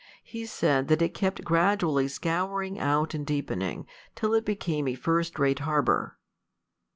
He said that it kept gradually scouring out and deepening, till it became a first rate harbor.